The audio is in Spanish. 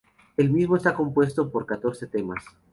El mismo está compuesto por catorce temas.